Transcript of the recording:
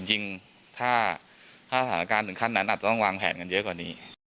จริงถ้าสถานการณ์ถึงขั้นนั้นอาจจะต้องวางแผนกันเยอะกว่านี้